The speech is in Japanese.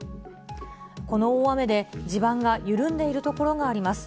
この大雨で、地盤が緩んでいる所があります。